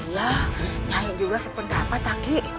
saya juga sependapat lagi